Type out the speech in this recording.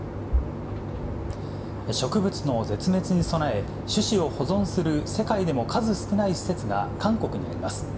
植物の絶滅に備え、種子を保存する世界でも数少ない施設が韓国にあります。